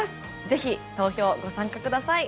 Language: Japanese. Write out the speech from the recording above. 是非投票ご参加ください